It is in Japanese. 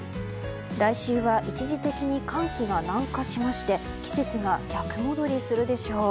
来週は一時的に寒気が南下しまして季節が逆戻りするでしょう。